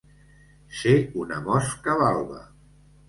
Ser una mosca balba.